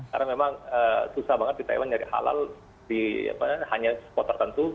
karena memang susah banget di taiwan nyari halal di hanya spot tertentu